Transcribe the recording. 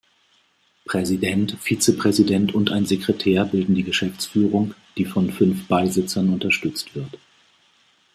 Präsident, Vizepräsident und ein Sekretär bilden die Geschäftsführung, die von fünf Beisitzern unterstützt wird.